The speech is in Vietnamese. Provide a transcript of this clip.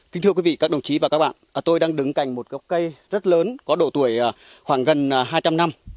kính thưa quý vị các đồng chí và các bạn tôi đang đứng cành một gốc cây rất lớn có độ tuổi khoảng gần hai trăm linh năm